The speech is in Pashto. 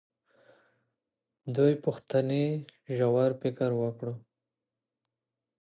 دوې پوښتنې ژور فکر وکړو.